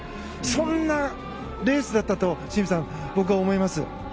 そんなレースだったと清水さん、僕は思います。